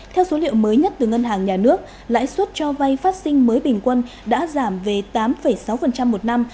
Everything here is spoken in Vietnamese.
theo số liệu mới nhất từ ngân hàng nhà nước lãi suất cho vay phát sinh mới bình quân đã giảm về tám sáu một năm